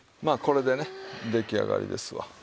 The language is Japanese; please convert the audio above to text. まあこれでね出来上がりですわ。